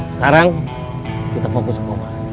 sekarang kita fokus ke rumah